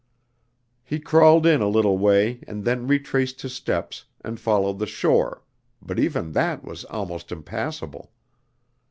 He crawled in a little way and then retraced his steps and followed the shore, but even that was almost impassable.